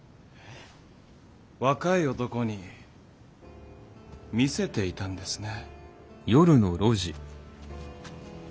若い男に見せていたんですね。